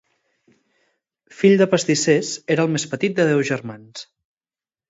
Fill de pastissers, era el més petit de deu germans.